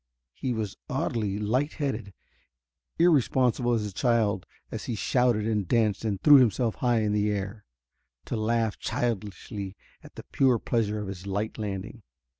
He was oddly light headed, irresponsible as a child as he shouted and danced and threw himself high in the air, to laugh childishly at the pure pleasure of his light landing.